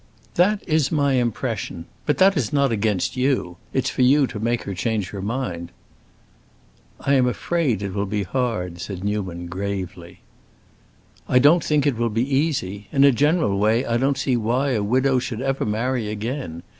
"That is my impression. But that is not against you; it's for you to make her change her mind." "I am afraid it will be hard," said Newman, gravely. "I don't think it will be easy. In a general way I don't see why a widow should ever marry again.